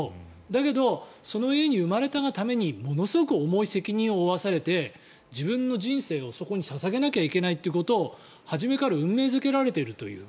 だけどその家に生まれたがためにものすごい重い責任を負わされて自分の人生をそこに捧げなきゃいけないということを初めから運命付けられているという。